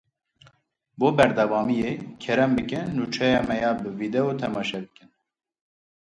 Bo berdewamiyê kerem bikin nûçeya me ya bi vîdeo temaşe bikin.